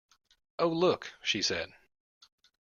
"Oh, look," she said.